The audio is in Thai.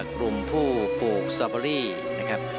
กลุ่มผู้ปลูกสตรอเบอรี่นะครับ